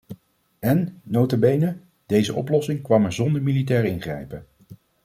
En, nota bene, deze oplossing kwam er zonder militair ingrijpen.